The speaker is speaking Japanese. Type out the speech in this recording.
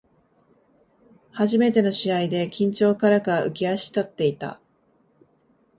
初めての試合で緊張からか浮き足立っていた